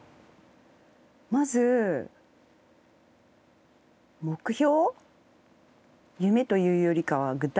まず目標？